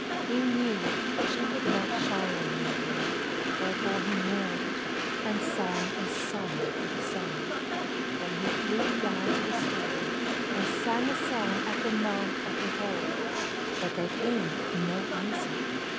He knew she could not shine on him again, therefore he mourned, and sang a sorrowful song. Then he flew down to the Stone, and sang a song at the mouth of the hole, but there came no answer.